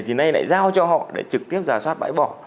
thì nay lại giao cho họ để trực tiếp giả soát bãi bỏ